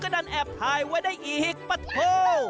ดันแอบถ่ายไว้ได้อีกปะโท